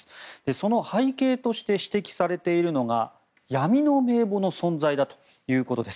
その背景として指摘されているのが闇の名簿の存在だということです。